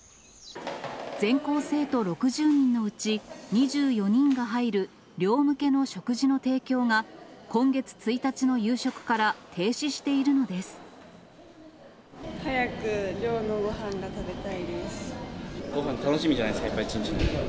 全校生徒６０人のうち、２４人が入る寮向けの食事の提供が、今月１日の夕食から停止して早く寮のごはんが食べたいでごはん楽しみじゃないですか、やっぱ一日の。